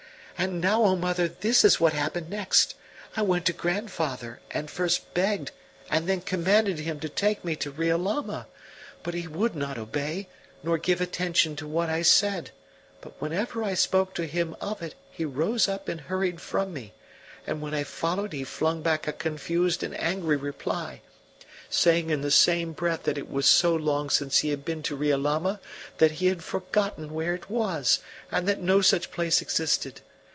"And now, O mother, this is what happened next. I went to grandfather and first begged and then commanded him to take me to Riolama; but he would not obey, nor give attention to what I said, but whenever I spoke to him of it he rose up and hurried from me; and when I followed he flung back a confused and angry reply, saying in the same breath that it was so long since he had been to Riolama that he had forgotten where it was, and that no such place existed.